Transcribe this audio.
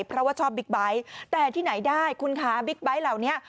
เพราะว่าชอบบิ๊กไบท์แต่ที่ไหนได้คุณคะบิ๊กไบท์เหล่านี้